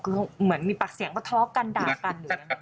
คือเหมือนมีปากเสียงก็ท้อกันดากันหรืออะไร